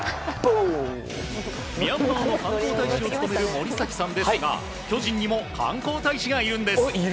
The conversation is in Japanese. ミャンマーの観光大使を務める森崎さんですが巨人にも観光大使がいるんです。